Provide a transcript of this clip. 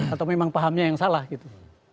atau memang pahamnya yang salah gitu